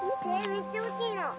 めっちゃ大きいの。